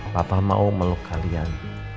papa mau meluk kalian